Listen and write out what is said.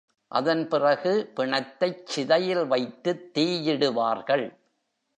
அதன் பிறகு பிணத்தைச் சிதையில் வைத்துத் தீயிடுவார்கள்.